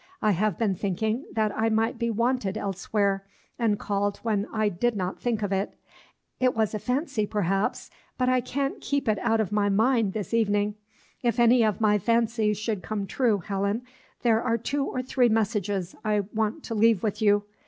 I have been thinking that I might be wanted elsewhere, and called when I did not think of it; it was a fancy, perhaps, but I can't keep it out of my mind this evening. If any of my fancies should come true, Helen, there are two or three messages I want to leave with you.